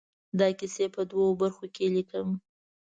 دا کیسې په دوو برخو کې ليکم.